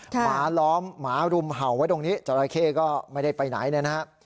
หมาล้อมหมารุมเห่าไว้ตรงนี้จราเข้ก็ไม่ได้ไปไหนเนี่ยนะฮะ